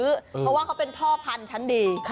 เพราะว่าเขาเป็นพ่อพันธุ์ชั้นดี